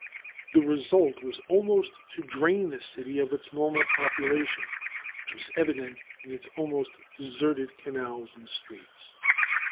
The result was almost to drain the city of its normal population, which was evident in its almost deserted canals and streets.